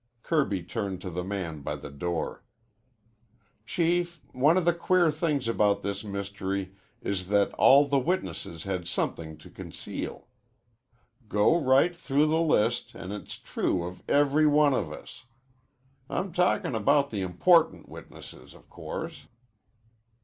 Kirby turned to the man by the door. "Chief, one of the queer things about this mystery is that all the witnesses had somethin' to conceal. Go right through the list, an' it's true of every one of us. I'm talkin' about the important witnesses, of course.